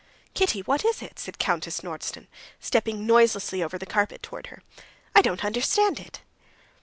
"Kitty, what is it?" said Countess Nordston, stepping noiselessly over the carpet towards her. "I don't understand it."